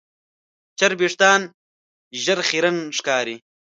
چرب وېښتيان ژر خیرن ښکاري.